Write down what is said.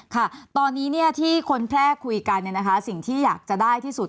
ค่ะตอนนี้ที่คนแพร่คุยกันสิ่งที่อยากจะได้ที่สุด